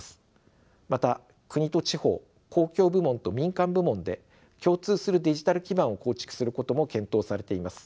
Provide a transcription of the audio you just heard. また国と地方公共部門と民間部門で共通するデジタル基盤を構築することも検討されています。